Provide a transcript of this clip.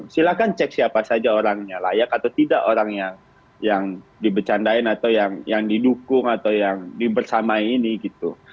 silahkan cek siapa saja orangnya layak atau tidak orang yang dibecandain atau yang didukung atau yang dibersamai ini gitu